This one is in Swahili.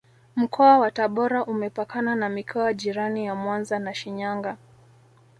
Mkoa wa tabora Umepakana na mikoa jirani ya Mwanza na Shinyanga